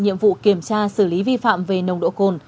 nhiệm vụ kiểm tra xử lý vi phạm về nồng độ cồn